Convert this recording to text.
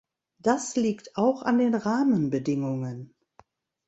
Das liegt auch an den Rahmenbedingungen.